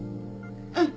うん。